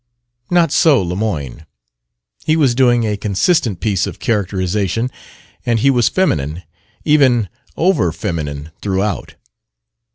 Not so Lemoyne: he was doing a consistent piece of "characterization," and he was feminine, even overfeminine, throughout.